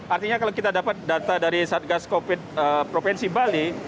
artinya kalau kita dapat data dari satgas covid provinsi bali